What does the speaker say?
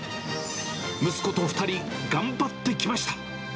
息子と２人、頑張ってきました。